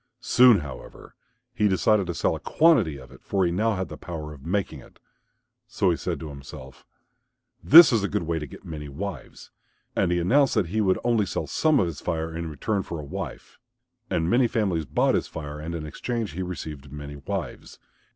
Soon, however, he decided to sell a quantity of it, for he now had the power of making it. So he said to himself, "This is a good way to get many wives," and he announced that he would only sell some of his fire in return for a wife. And many families bought his fire and in exchange he received many wives.